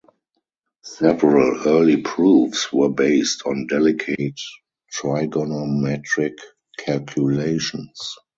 Several early proofs were based on delicate trigonometric calculations.